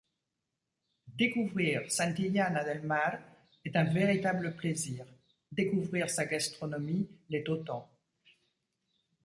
Découvrir Santillana del Mar est un véritable plaisir, découvrir sa gastronomie l'est autant.